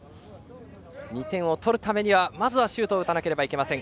２点を取るためにはまずはシュートを打たなければいけません。